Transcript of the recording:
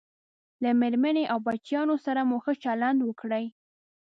له میرمنې او بچیانو سره مو ښه چلند وکړئ